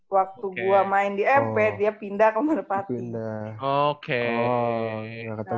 waktu gue main di mp dia pindah ke manapati